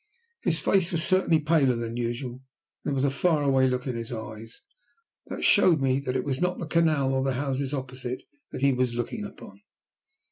His face was certainly paler than usual, and there was a far away look in his eyes that showed me that it was not the canal or the houses opposite that he was looking upon.